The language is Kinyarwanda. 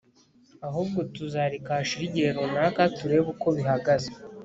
ahubwo tuzareka hashire igihe runaka.turebe uko bihagaze